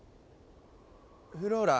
フローラ。